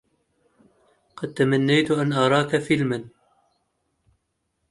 قد تمنيت أن أراك فلما